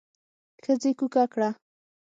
ښځې کوکه کړه.